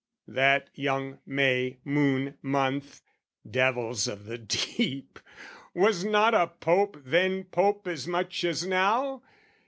That young May moon month! Devils of the deep! Was not a Pope then Pope as much as now?